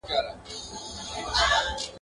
یا دي ولولم د میني زر لیکونه !.